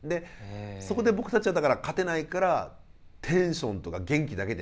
そこで僕たちはだから勝てないからテンションとか元気だけで勝負し始めるんですよね